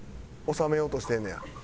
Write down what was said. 収めようとしてんねや。